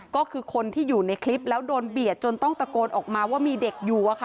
ก็คือคนที่อยู่ในคลิปแล้วโดนเบียดจนต้องตะโกนออกมาว่ามีเด็กอยู่อะค่ะ